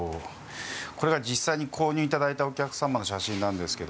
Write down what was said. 実際に購入いただいたお客様の写真です。